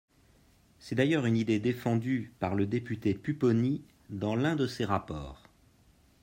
C’est d’ailleurs une idée défendue par le député Pupponi dans l’un de ses rapports.